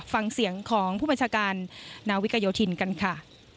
ฟังเสียงของผู้บัญชาการนาวิกโยธินกันค่ะ